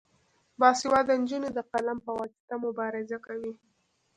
باسواده نجونې د قلم په واسطه مبارزه کوي.